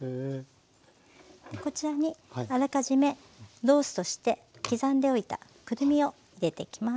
こちらにあらかじめローストして刻んでおいたくるみを入れていきます。